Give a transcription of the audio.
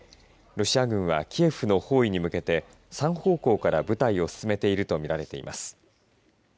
ロシア軍はキエフの包囲に向けて３方向から部隊を進めているとみられています。